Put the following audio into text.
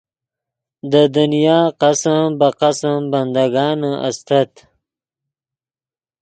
دے دنیا قسم بہ قسم بندگانے استت